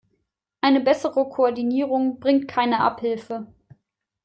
Eine bessere Koordinierung bringt keine Abhilfe.